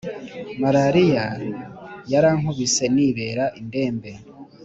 Malaria yarankubise nibera indembe